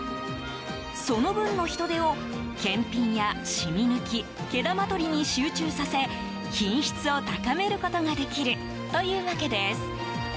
その分の人手を検品や染み抜き毛玉取りに集中させ品質を高めることができるというわけです。